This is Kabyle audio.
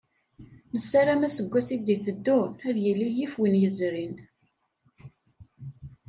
Nassaram aseggas i d-iteddun ad yili yif win yezrin.